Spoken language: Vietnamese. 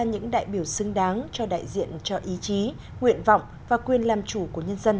những đại biểu xứng đáng cho đại diện cho ý chí nguyện vọng và quyền làm chủ của nhân dân